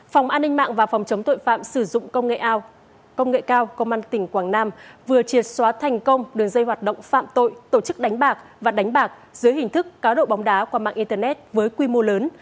phòng an ninh mạng và phòng chống tội phạm sử dụng công nghệ cao công an tỉnh quảng nam vừa triệt xóa thành công đường dây hoạt động phạm tội tổ chức đánh bạc và đánh bạc dưới hình thức cá độ bóng đá qua mạng internet với quy mô lớn